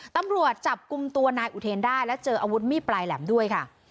ตำรวจจับกลุ่มตัวนายอุเทนได้และเจออาวุธมีดปลายแหลมด้วยค่ะ